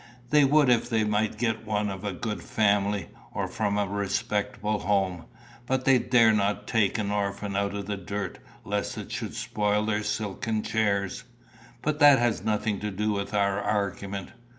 They would if they might get one of a good family, or from a respectable home; but they dare not take an orphan out of the dirt, lest it should spoil their silken chairs. But that has nothing to do with our argument.